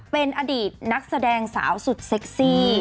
เป็นอดีตนักแสดงสาวสุดเซ็กซี่